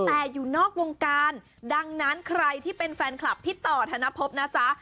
แต่อยู่นอกวงการดังนั้นใครที่เป็นแฟนคลับพี่ต่อธนภพนะจ๊ะ